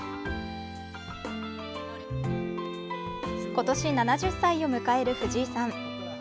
今年７０歳を迎える藤井さん。